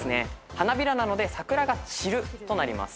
花びらなので桜がちるとなります。